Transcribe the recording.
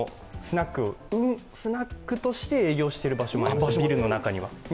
スナックとして営業している場所もビルの中にはあります。